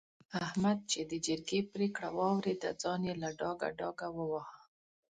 احمد چې د جرګې پرېکړه واورېده؛ ځان يې له ډاګه ډاګه وواهه.